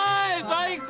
最高！